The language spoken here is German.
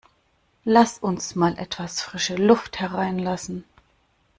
Lass uns mal etwas frische Luft hereinlassen!